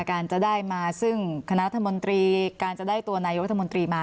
การจะได้มาซึ่งคณะรัฐมนตรีการจะได้ตัวนายกรัฐมนตรีมา